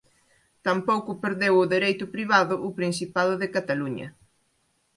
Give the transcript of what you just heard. Tampouco perdeu o dereito privado o Principado de Cataluña.